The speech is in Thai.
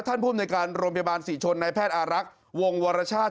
ท่านผู้อำนวยการโรงพยาบาลสี่ชนในแพทย์อารักษ์วงวรชาติ